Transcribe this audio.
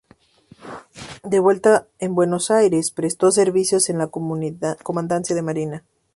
De vuelta en Buenos Aires, prestó servicios en la comandancia de marina.